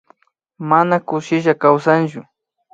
Mana kushilla kawsanllu